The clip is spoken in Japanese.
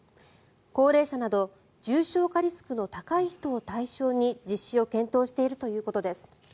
高齢者など重症化リスクの高い人を対象に実施を検討しているということです。